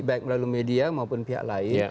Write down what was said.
baik melalui media maupun pihak lain